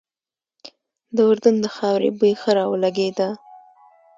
د اردن د خاورې بوی ښه را ولګېده.